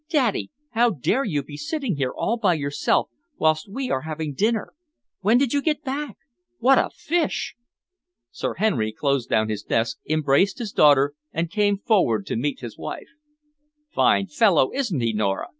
"Daddy, how dare you be sitting here all by yourself whilst we are having dinner! When did you get back? What a fish!" Sir Henry closed down his desk, embraced his daughter, and came forward to meet his wife. "Fine fellow, isn't he, Nora!"